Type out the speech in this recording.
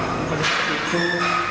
kepada ketua ketua